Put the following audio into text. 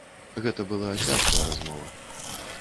Гэта была цяжкая размова.